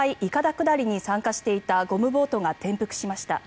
下りに参加していたゴムボートが転覆しました。